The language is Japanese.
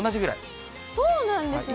そうなんですね。